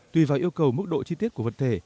tùy vào yêu cầu mức độ chi tiết của vật thể